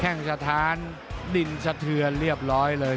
แค่งสถานดินสะเทือนเรียบร้อยเลย